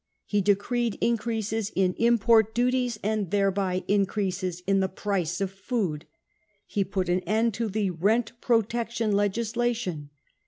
Pie decreed increases in import duties, and thereby increases in the price of food. He put am end to the rent protection legislation.